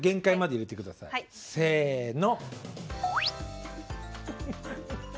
せの。